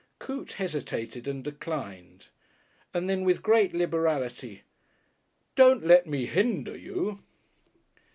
Coote hesitated and declined, and then, with great liberality, "Don't let me hinder you...."